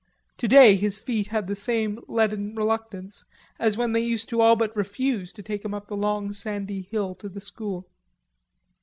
Today his feet had the same leaden reluctance as when they used to all but refuse to take him up the long sandy hill to the school.